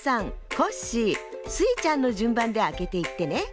コッシースイちゃんのじゅんばんであけていってね。